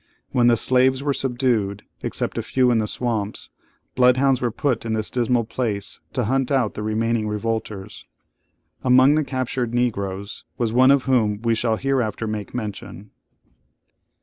When the slaves were subdued, except a few in the swamps, bloodhounds were put in this dismal place to hunt out the remaining revolters. Among the captured Negroes was one of whom we shall hereafter make mention.